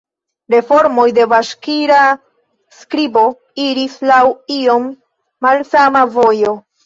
Reformoj de baŝkira skribo iris laŭ iom malsama vojo.